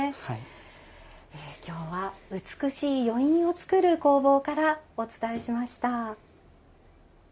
今日は美しい余韻を作る工房からお伝えしました。